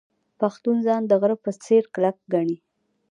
پښتون ځان د غره په څیر کلک ګڼي.